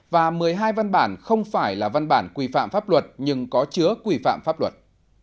và một mươi hai văn bản không phải là văn bản quy phạm pháp luật nhưng có chứa quy phạm pháp luật